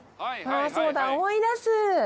そうだ思い出す！